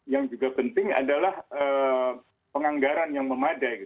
yang juga penting adalah penganggaran yang memadai